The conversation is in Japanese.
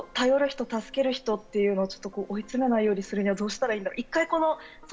頼る人、助ける人、追い詰めないようにするには、どうしたらいいのか。